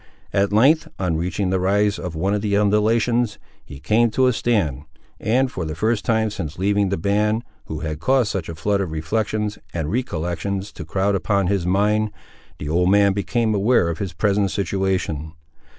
At length, on reaching the rise of one of the undulations, he came to a stand; and, for the first time since leaving the band, who had caused such a flood of reflections and recollections to crowd upon his mind, the old man became aware of his present situation.